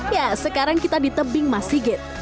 ya sekarang kita di tebing mas sigit